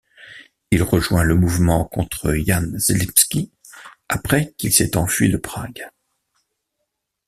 Il rejoint le mouvement contre Jan Želivský, après qu'il s'est enfui de Prague.